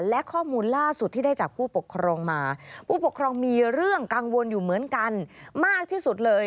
และข้อมูลล่าสุดที่ได้จากผู้ปกครองมาผู้ปกครองมีเรื่องกังวลอยู่เหมือนกันมากที่สุดเลย